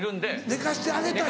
寝かしてあげたいの？